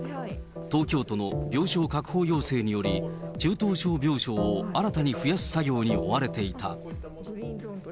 東京都の病床確保要請により、中等症病床を新たに増やす作業に追われていた。